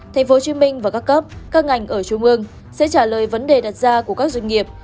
tp hcm và các cấp các ngành ở trung ương sẽ trả lời vấn đề đặt ra của các doanh nghiệp